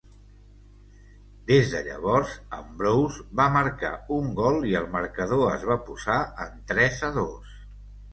Des de llavors, Ambrose va marcar un gol i el marcador es va posar en tres a dos.